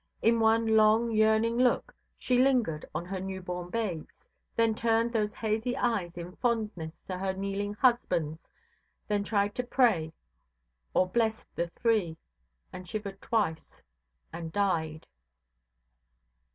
In one long, yearning look, she lingered on her new–born babes, then turned those hazy eyes in fondness to her kneeling husbandʼs, then tried to pray or bless the three, and shivered twice, and died.